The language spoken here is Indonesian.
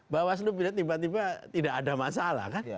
bawas itu tiba tiba tidak ada masalah kan